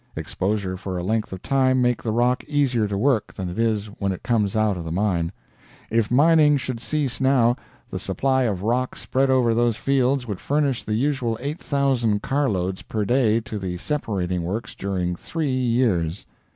Exposure for a length of time make the rock easier to work than it is when it comes out of the mine. If mining should cease now, the supply of rock spread over those fields would furnish the usual 8,000 car loads per day to the separating works during three years.